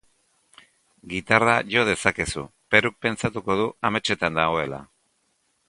Gitarra jo dezakezu, Peruk pentsatuko du ametsetan dagoela.